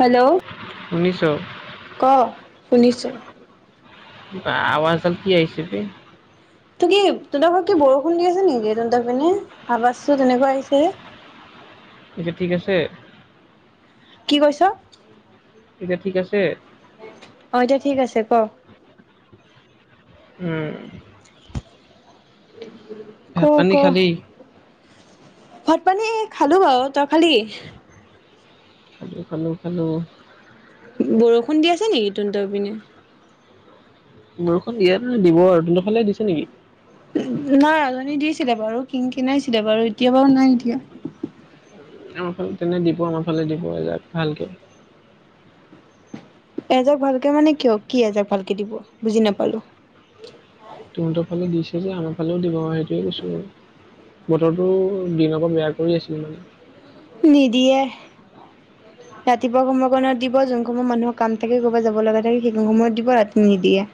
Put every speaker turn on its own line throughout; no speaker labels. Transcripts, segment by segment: Hello
শুনিছ
ক শুনিছো?
বা আৱাজ দাল কি আহিছে বে?
তু কি তহঁতৰ ঘৰৰ কি বৰষুণ দি আছে নেকি তহতঁৰ পিনে? আবাজটো তেনেকুৱা আহিছে।
এতিয়া ঠিক আছে?
কি কৈছ?
এতিয়া ঠিক আছে?
অঁহ এতিয়া ঠিক আছে ক?
উমঁ।
ক ক
ভাত-পানী খালী?
ভাত - পানী খালো বাও, তই খালি?
খালো খালো খালো।
বৰষুণ দি আছে নেকি তোনটৰ পিনে?
বৰষুণ ইয়াত নে দিব আৰু, তহঁতৰ ফালে দিছে নেকি?
নাই অথনি দিছিলে বাৰু কিন কিনাইছিলে বাৰু, এতিয়া বাৰু নাই দিয়া?
আমাৰ ফালে তেনে দিব আমাৰ ফালে দিব এইজাক ভালকে।
এজাক ভালকে মানে কিয় কি এজাক ভালকে দিব বুজি নাপালো?
তহঁতৰ ফালে দিছে যে আমাৰ ফালে দিব আৰু সেইটোৱে কৈছোঁ আৰু। বতৰটো দিনৰ পৰা বেয়া কৰি আছিল মানে।
নিদিয়ে।
[inaudible]
ৰাতিপুৱা সময় কণত দিব যোন সময় মানুহৰ কাম থাকে ক'ৰবাত যাব লগা থাকে সেইখন সময়ত দিব, ৰাতি নিদিয়ে।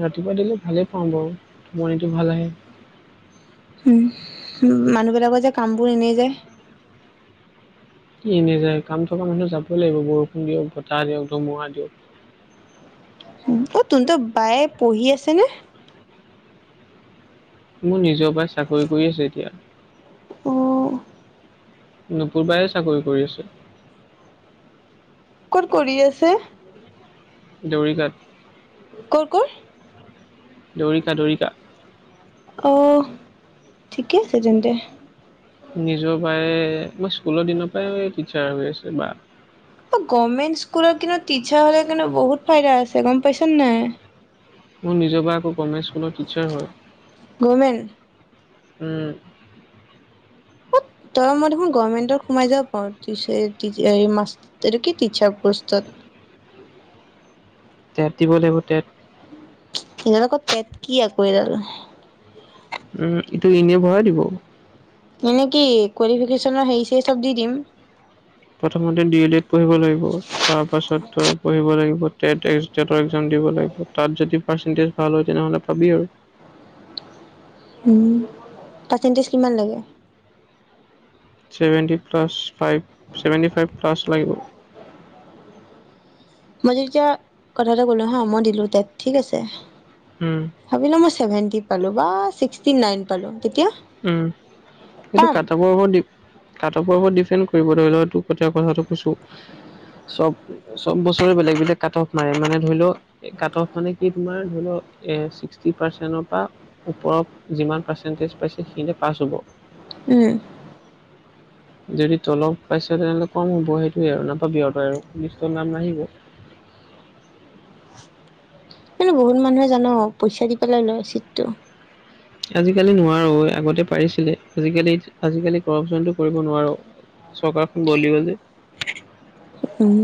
ৰাতিপুৱা দিলে ভালেই পাওঁ বাৰু, মৰ্ণিংটো ভাল আহে।
হুম উম, মানুহবিলাকৰ যে কামবোৰ এনেই যায়?
কি এনে যায় কাম থকা মানুহে যাবই লাগিব বৰষুণ দিয়ক, বতাহ দিয়ক, ধুমুহা দিয়ক?
অ তোন তো বায়ে পঢ়ি আছে নে?
মোৰ নিজৰ বাই চাকৰি কৰি আছে এতিয়া।
অ।
নুপুৰবাই চাকৰি কৰি আছে।
ক'ত কৰি আছে?
দৌৰিঘাট।
কৰ কৰ?
দৌৰিকা দৌৰিকা?
অঁহ, ঠিকে আছে যেন্তে।
নিজৰ বাই, মই স্কুলৰ দিনৰ পৰাই টিচাৰ হৈ আছে বা।
অ গভমেণ্ট স্কুলত কিন্তু টিচাৰ হ'লে কিন্তু বহুত ফাইদা আছে গম পাইছনে নাই?
মোৰ নিজৰ বাই আকৌ গভমেণ্ট স্কুলৰ টিচাৰ হয়।
গভমেণ্ট?
উম।
অত তই মই দেখোন গভমেন্টত সোমাই যাব পাৰ টিছে টিছে হেৰি মাষ এইটো কি টিচাৰ পোষ্টত।
তেট দিব লাগিব তেট।
হিঙাৰ আকৰ তেট কি আকৌ এইডাল।
উম এইটো এনে ভৰাই দিব।
এনে কি, কোৱালিফিকেশনৰ হেৰি চেৰি চব দি দিম।
প্ৰথমতে ডি এল এড পঢ়িব লাগিব। তাৰ পাছত তই পঢ়িব লাগিব টেত টেষ্টতৰ একজাম দিব লাগিব, তাত যদি পাৰ্চেন্টেজ ভাল হয় তেনেহ'লে পাবি আৰু।
উম, পাৰ্চেণ্টেজ কিমান লাগে?
Seventy plus five seventy five plus লাগিব।
মই যে যেতিয়া কথা এটা ক'লো হা মই দিলো তেট ঠিক আছে
উম।
ভাবিলো মই ছেভেন্টি পালো বা ছিক্সটি নাইন। পালো তেতিয়া
উম সেইটো
পাম
কাট ও ওব দি, কাটঅফৰ লগত দিফেন কৰিব লাগিব তোক এতিয়া কথাটো কৈছোঁ। চব চব বছৰে বেলেগ বেলেগ কাট অফ মাৰে মানে ধৰি লও এই কাট অফ মানে কি তোমাৰ ধৰি লও এ ছিক্সটি পাৰ্চেন্টৰ পৰা ওপৰত যিমান পাৰ্চেণ্টেজ পাইছে সিয়েই পাছ হ'ব।
উম।
[inaudible] যদি তলত পাইছ তেনেহ'লে কম হ'ব সেইটোৱে আৰু নাপাবি আৰু তই আৰু লিষ্টত নাম নাহিব।
কিন্তু বহুত মানুহে জান পইচা দি পেলাই লয় ছিটটো?
আজিকালি নোৱাৰো, আগতে পাৰিছিলে আজিকালি আজিকালি কৰপচনটো কৰিব নোৱাৰো। চৰকাৰখন বদলি গল যে।
উম,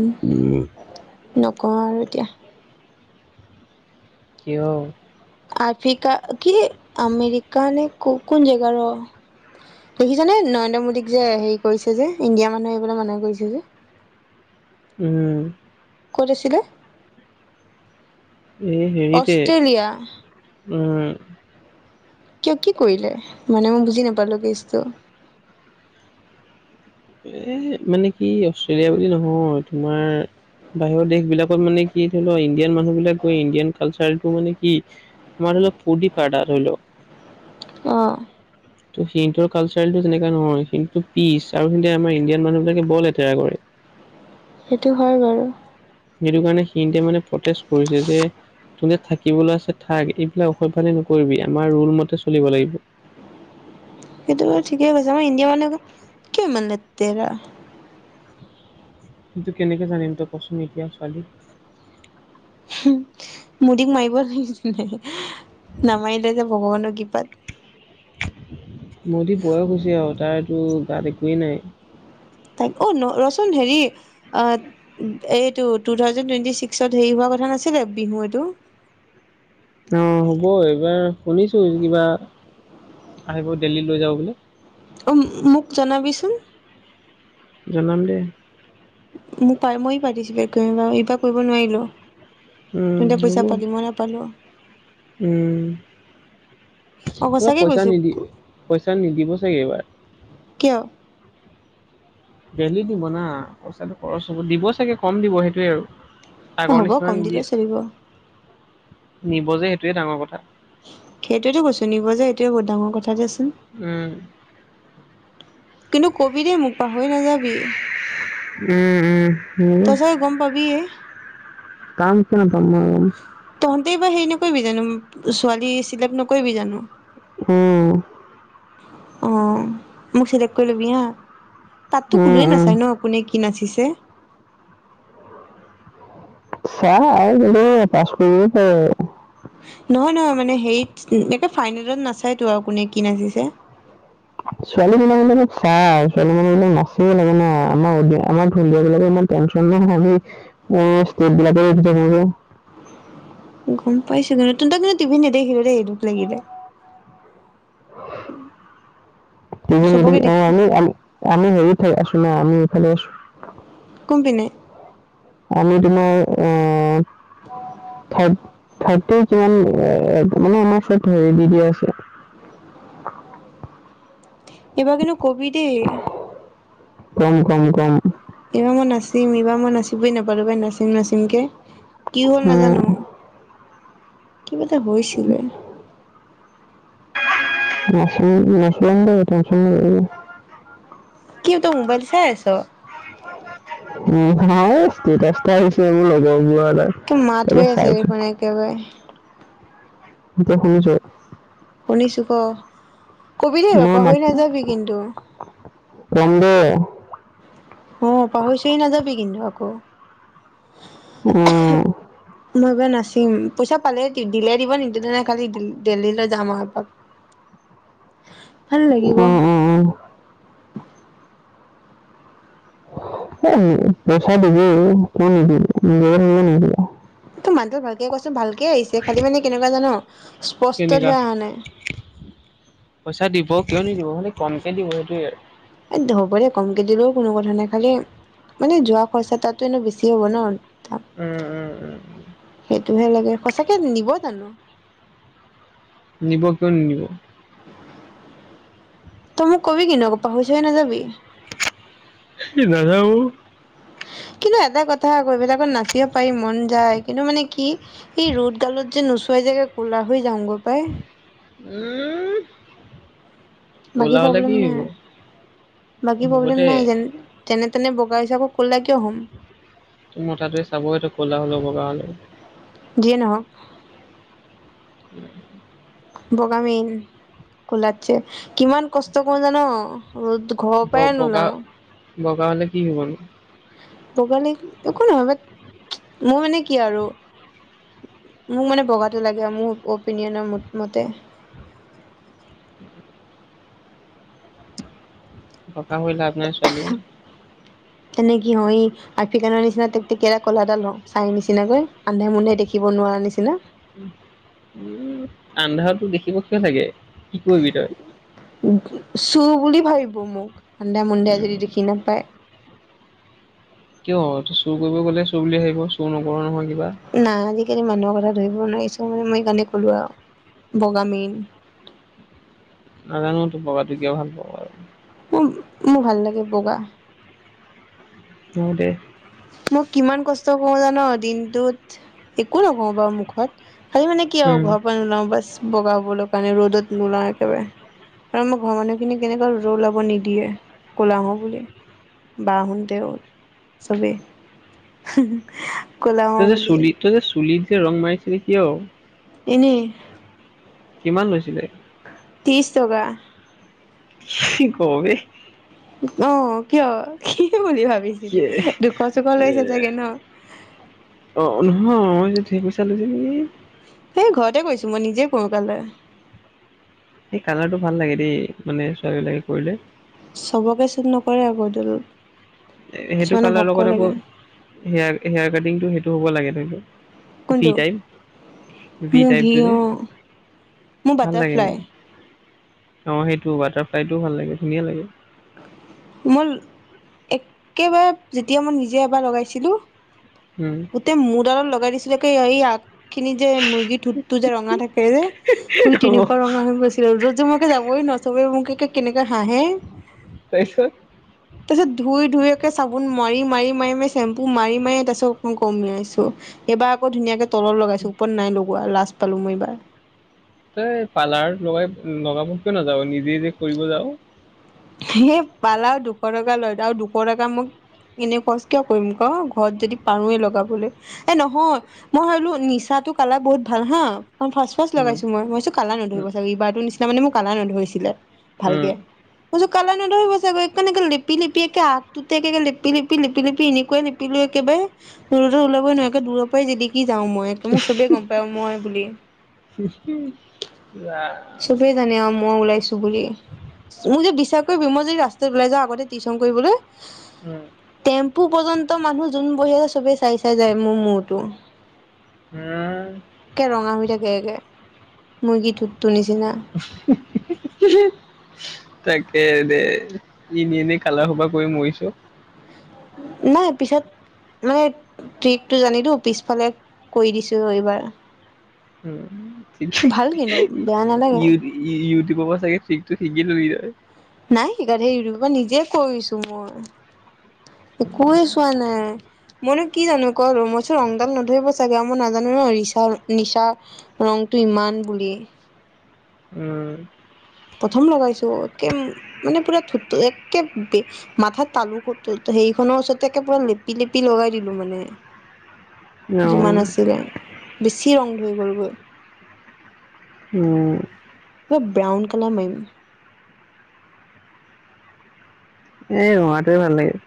নকওঁ আৰু এতিয়া।
কিয়?
আফ্ৰিকা কি আমেৰিকা নে ক কোন জেগা ৰ দেখিছানে নৰেন্দ্ৰ মোদীক যে হেৰি কৰিছে যে ইণ্ডিয়া মানুহে আহিবলৈ মানা কৰিছে যে?
উম।
ক'ত আছিলে?
এই হেৰিতে
অষ্ট্ৰেলিয়া
উম
কিয় কি কৰিলে? মানে মই বুজি নাপালো কেছটো?
এ মানে কি অষ্ট্ৰেলিয়া বুলি নহয় তোমাৰ বাহিৰৰ দেশবিলাকত মানে কি ধৰি লোৱা ইণ্ডিয়ান মানুহবিলাক গৈ ইণ্ডিয়ান কালচাৰটো মানে কি আমাৰ অলপ ফূৰ্তি ফাৰ্তা ধৰি ল‌ওক
অ।
ত' সিহটোৰ কালচাৰটো যেনেকা নহয় সিহটো পিচ আৰু সিহতে আমাৰ ইণ্ডিয়ান মানুহবিলাকে বৰ লেতেৰা কৰে।
সেইটো হয় বাৰু।
সেইটো কাৰণে সিহতে মানে প্ৰটেষ্ট কৰিছে যে যুনে থাকিবলৈ আছে থাক এইবিলাক অসভ্যালি নকৰিবি, আমাৰ ৰোল মতে চলিব লাগিব?
সেইটো বাৰু ঠিকে কৈছে, আমাৰ ইণ্ডিয়া মানুহেক কিয় ইমান লেতেৰা?
সেইটো কেনেকে জানিম তই কচোন এতিয়া ছোৱালী?
হুম মুদিক মাৰিব লাগিছিল নে নামাৰিলে যে ভগৱানৰ কৃপাত।
মুদিৰ বয়স হৈছে আৰু তাৰতো গাত একোৱেই নাই।
তাইক অ ন ৰচন হেৰি অ এইটো টু থাউজেণ্ড টুৱেণ্টি ছিক্সত হেৰি হোৱা কথা নাছিলে বিহু এইটো
অ হ'ব এইবাৰ শুনিছো কিবা আহিব দেল্লী লৈ যাওঁ বুলি।
অঁ মোক জনাবিচোন?
জনাম দে।
মোক পাই মই পাৰ্টিচিপেট কৰিম বাৰু সিবাৰ কৰিব নোৱাৰিলো।
উম
তহঁতে
হ'ব
পইচা
উম।
পালি মই নাপালো অ
এইবাৰ
সঁচাকে
পইচা
কৈছো
নিদি পইচা নিদিব চাগে এইবাৰ?
কিয়?
ডেলি দিব না পইচাটো খৰচ হব দিব চাগে কম দিব সেইটোৱে আৰু। আগৰ
হ'ব
নিচিনা
কম
নিদিয়ে,
দিলেও চলিব
নিব যে সেইটোৱে ডাঙৰ কথা।
সেইটোৱেতো কৈছো নিব যে এইটোয়ে বহুত ডাঙৰ কথা দেচোন।
উম।
কিন্তু কবি দে মোক পাহৰি নাযাবি।
উম উম। হ'ব
তই চব গম পাবিয়ে?
কামিচ ন প ম [unintelligible]
তহঁতেই বাৰ হেৰি নকৰিবি জানো ছোৱালী চিলেক্ট নকৰিবি জানো?
উম।
অ, মোক চিলেক্ট কৰি ল'বি হা তাতো
উম
কোনোৱে নাচায় ন? কোনে কি নাচিছে?
চাহ আৰু বুলো পাচ কৰিছে।
নহয় নহয় মানে হেৰিত একে ফাইনেলত নাচাইতো আৰু কোনে কি নাচিছে?
ছোৱালীবিলাক মানে চাই, ছোৱালী মানুহবিলাক নাচে লাগে ন আমাৰ আমাৰ ঢোলীয়া বিলাকে ইমান প আমি ষ্টেট বিলাকে [unintelligible]
গম পাইছো কিন্তু তু তাক কিন্তু টিভিত নেদেখিলো দেই দুখ লাগিলে।
নিদি [inaudible]
চবকে
ম আহ
দেখি
আমি আ আমি হেৰি থাই আছো না আমি এইফালে আছো।
কোন পিনে?
আমি তোমাৰ এ থা থাৰ্টি কিমান মানে আমাৰ ওপৰত হেৰি দি দিয়া আছে।
এইবাৰ কিন্তু কবি দেই।
কম কম কম।
এইবাৰ মই নাচিম, এইবাৰ মই নাচিবই নাপালো বাই নাচিম নাচিমকে, কি হল
উম,
নাজানো? কিবা এটা হৈছিলে?
নাছিল নাছিলান দে েনন ল [unintelligible]
কি তই মোবাইল চাই আছ?
উম, নাই ষ্টেটাচ এতা আহিছে এইবোৰ লগৰবোৰটাই।
এক মাত হৈ আছে দেখোন একেবাৰে।
এতিয়া শুনিছ?
শুনিছোঁ ক, কবি দেই
মই মাত
পাহৰি নাযাবি কিন্তু?
কম দে।
অ' পাহৰি - চাহৰি নাযাবি কিন্তু আকৌ।
অ
আহা মই এবাৰ নাচিম, পইচা পালে দি দিলে দিব নিদিলে খালি দিল্ল ডেলিলৈ যাম আৰুপাক।
[unintelligible]
ভাল লাগিব।
উম, উম, উম। এ, পইচা দিবি অ কিয় নিদিব, নিদিয়াকে থাকিব নেকি এম
ত মানুহটোত ভালকে কৈচোন ভালকে আহিছে খালি মানে কেনেকুৱা জান স্পষ্ট ধৰ
কেনেকা
অহা নাই।
পইচা দিব কিয় নিদিব, খালি কমকে দিব সেইটোয়ে।
এই হ'ব দে কমকে দিলেও কোনো কথা নাই খালি মানে যোৱা খৰচা তাতো এনে বেছি হ'ব ন তা
উম। উম উম।
সেইটোহে লাগে সঁচাকে নিব জানো?
নিব কিয় নিনিব?
তই মোক কবি কি নোক পাহৰিছে নাযাবি?
নাযাওঁ।
কিন্তু এটা কথা আকৌ এইবিলাকত নাচিব পাৰি মন যায় কিন্তু মানে কি এই ৰ'দ গালত যে নোচোৱাই জেগা ক'লা হৈ যাওঁ।
উম।
বাকী
ক'লা হ'লে কি
প্ৰব্লেম নাই,
হ'ব,
বাকী
হ'ব
প্ৰব্লেম
দে।
নাই যেন? যেনে তেনে বগা হৈছোঁ আকৌ ক'লা কিয় হ'ম?
টোৰ মতাটোৱে চাবেইটো ক'লা হলেও বগা হলেও।
যিয়েই নহওঁক। বগা মেইন কোলাটছে কিমান কষ্ট কৰো জানো ৰ'দোত
ব বগা বগা হলে কি হ'ব নো।
বগা হ'লে একো নহয় বাট মোৰ মানে কি আৰু মোক মানে বগাতে লাগে আৰু মোক। অপিনিয়নৰ মতে।
[unintelligible] বগা হৈ লাভ নাই ছোৱালী।
তেনে কি হয়। আফ্ৰিকান নিচিনা তিক তিকিয়া কলা দাল হও চাই নিচিনাকৈ আন্ধাই মুন্ধাই দেখিব নোৱাৰা নিচিনা।
উম আন্ধাৰতো দেখিব কিয় লাগে কি কৰিবি তই।
চুৰ বুলি ভাবিব মোক আন্ধাই মুন্ধাই
উম।
যদি দেখি নাপায়।
কিয় তু চুৰ কৰিব গ'লে চুৰ বুলি ভাবিব চুৰ নকৰ নহয় কিবা।
নাই আজিকালি মানুহৰ কথা ধৰিব নোৱাৰি চ মই মানে সেই কাৰণে কলো আও বগা মেইন।
নাজানো তোক কিয় ভাল পাওঁ আৰ
মোৰ, মোৰ ভাল লাগে বগা
ন দে
মই কিমান কষ্ট কৰো জান দিনটোত, একো নকওঁ বাৰু মুখত। খালি মানে কি আৰু
উম।
ঘৰৰ পৰা নোলাও বাছ বগা হবলৈ কাৰণে ৰ'দত নোলাও একেবাৰে। আৰু আমাৰ ঘৰৰ মানুহখিনি কেনেকুৱা ৰ'দত ওলাব নিদিয়ে কলা হও বুলি। বাহুণতে ৰ'দ চবে
তুই যে চুলি তই যে চুলি যে ৰং মাৰিছিলে কিয়?
এনে
কিমান লৈছিলে?
তিছ টকা।
খি ক বে
অ কিয় কি বুলি ভাবিছিলি
ইয়ে।
দুখ চুখ
এ
লৈছে চাগে ন।
অ নহয় ম যে ঢেই পইচা লৈছে নেকি।
সেই ঘৰতে কৰিছোঁ মই নিজেই কৰোঁ কালাৰ
সেই কালাৰটো ভাল লাগে দেই মানে ছোৱালীবিলাকে কৰিলে।
চবকে চোন নকৰে আকৌ এইড
সেইটো কালাৰ লগত আকৌ হেয়াৰ হেয়াৰ কাটিংটো সেইটো হ'ব লাগে ধৰিল ফি
কোনটো
টাইপ বি
মোৰ ভি
টাইপটো যে
অ মোৰ
ভাল লাগে
বাটাৰফ্লাই
মোৰ। অ সেইটো বাটাৰফ্লাই টোও ভাল লাগে ধুনীয়া লাগে।
মল একেবাৰে যেতিয়া মই নিজে এবাৰ লগাইছিলোঁ।
হুম।
গোটেই মোৰ দালত লগাই দিছিলে কি এই য়াক খিনি যে মুৰ্গী ঢোতটো যে ৰঙা থাকে যে সুই
অ
তেনেকুৱা ৰঙা হৈ গৈছ- ৰ'দত মই একে যাবই নোৱাৰোঁ চবেই মোকে কে কে কেনেকে হাঁহে।
তাইছত
তাৰ পিছত ধুই ধুই একে চাবোন মাৰি মাৰি মাৰি মাৰি চেম্পু মাৰি মাৰি তাছত কমিয়াইছোঁ। এইবাৰ আকৌ ধুনীয়াকে তলত লগাইছো ওপৰত নাই লগোৱা লাজ পালো মই এইবাৰ।
তই পাৰ্লাৰ লগাই লগাব কিয় নাযাওঁ নিজে যে কৰিব যাও।
সেই পালাৰত দুশ টকা লয় আৰু দুশ টকা মোক এনে খৰজ কিয় কৰিম ক ঘৰত যদি পাৰোৱে লগাবলে। এ নহয় মই ভাবিলো নিচাটো কালাৰ বহুত ভাল হা। মই ফাৰ্ষ্ট ফাৰ্ষ্ট
উম
লগাইছো মই মইছো কালা
উম
নধৰিব চাগে ইবাৰটো নিচিনা মানে মোৰ কালা নধৰিছিলে
উম
ভালকে। মই কৈছো কালাৰ নধৰিব চাগে সেইকাৰণে লেপি লেপি একে আগটোতে একে লেপি লিপ লপি লিপি এনেকুৱাই লিপ দিলে একেবাই ওলাবই নোৱাৰোঁ একে দূৰ পৰাই জিলিকি যাও মই। মোক চবে গম পায় মই বুলি,
ৰাম
চ টোৱে জানে আৰু মই ওলাইছোঁ বুলি। মোক যে বিশ্বাস কৰিব মই যদি ৰাস্তাত ওলাই যাওঁ আগতে টিউশন কৰিবলৈ?
উম।
টেম্পু পৰ্যন্ত মানুহ যোন বহি আছে চবেই চাই চাই যায় মোৰ মূৰতো।
উম।
একে ৰঙা হৈ থাকে একে, মুৰ্গী ঠোঁটটোৰ নিচিনা?
হুম হুম হু হু হু। তাকে দে এনে এনেই কালা খোবা কৰি মৰিছো।
নাই পিছত মানে ট্ৰিকটো জানিলো পিছফালে কৰি দিছোঁ এইবাৰ।
উ চি হী
ভাল কিন্তু বেয়া নালাগে
ইউৰি ই ইউটিউবৰ পৰা চাগে ঠিক শিকিলোবি তই?
নাই শিকা সেই ইউটিউবৰপৰা নিজে কৰিছো মই। একোৱেই চোৱা নাই মনে কি জানো ক ৰ মইছো ৰংডাল নধৰিব চাগে আৰু মই নাজানো ন নিচা নিচা ৰংটো ইমান বুলি।
উম।
প্ৰথম লগাইছো একে মানে পুৰা ধু একে বে মাথাত তালু সেইখনৰ ওচৰতে পুৰা লেপি লেপি লগাই দিলো মানে।
[inaudible]
যিমান আছিলে, বেছি ৰং ধই গ'লগৈ।
উম।
এই ব্ৰাউন কালাৰ মাৰিম।
এ ৰঙাটোৱে ভাল লাগে।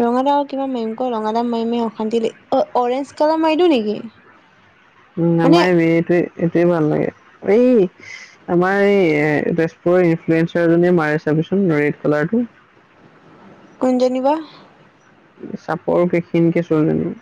ৰঙা ডাল কিবা মাৰিম ক ৰঙা ডাল মাৰিমে অশান্তি ল অ অৰেঞ্জ কালাৰ মাৰিলো নেকি?
উম
মানে
নামাৰাবি এইটো এইটোয়ে ভাল লাগে, এই আমাৰ এই এ তেজপুৰৰ ইনফ্লুয়েঞ্চাৰ জনে মাৰে চাবিচোন ৰেড কালাৰটো?
কোনজনী বা?
চাপৰকে ক্ষীণকে ছোৱালীজনী?